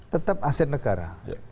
tetap aset negara